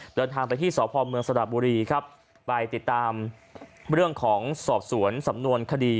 เดินทางไปที่สพเมืองสระบุรีครับไปติดตามเรื่องของสอบสวนสำนวนคดี